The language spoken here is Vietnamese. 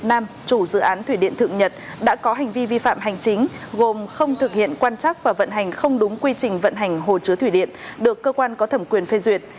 nam chủ dự án thủy điện thượng nhật đã có hành vi vi phạm hành chính gồm không thực hiện quan chắc và vận hành không đúng quy trình vận hành hồ chứa thủy điện được cơ quan có thẩm quyền phê duyệt